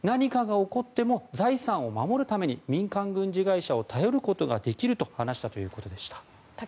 何かが起こっても財産を守るために民間軍事会社を頼ることができると話したということでした。